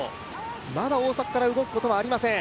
まだ大迫から動くことはありません。